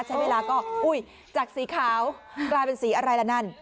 ใช้เวลาก็อุ้ยจากสีขาวกลายเป็นสีอะไรละนั่น